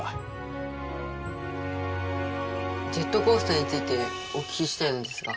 ジェットコースターについてお聞きしたいのですが。